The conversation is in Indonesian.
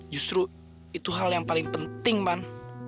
justru itu hal yang paling penting ban